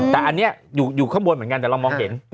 แต่อันนี้อยู่ข้างบนเหมือนกันแต่เรามองเห็น